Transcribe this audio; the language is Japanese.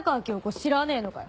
知らねえのかよ。